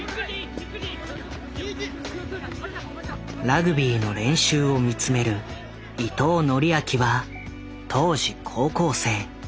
ラグビーの練習を見つめる伊藤紀晶は当時高校生。